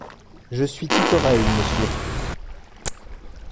Je suis tout oreilles, monsieur.